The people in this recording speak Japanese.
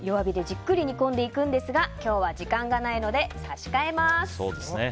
このまま弱火でじっくり煮込んでいくんですが今日は時間がないので差し替えます。